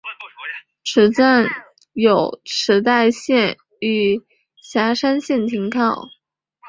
此站有池袋线与狭山线停靠。